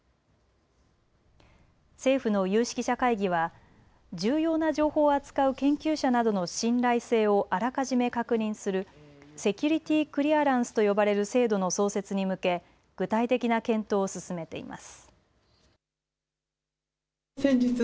政府の有識者会議は重要な情報を扱う研究者などの信頼性をあらかじめ確認するセキュリティークリアランスと呼ばれる制度の創設に向け具体的な検討を進めています。